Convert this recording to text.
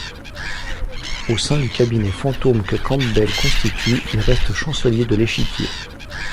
Au sein du cabinet fantôme que Campbell constitue, il reste chancelier de l'Échiquier.